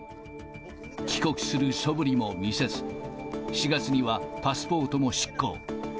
帰国するそぶりも見せず、４月にはパスポートも失効。